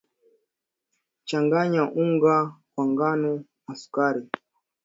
changanya unga wa ngano na sukari